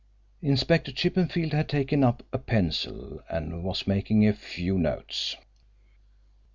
Inspector Chippenfield had taken up a pencil and was making a few notes.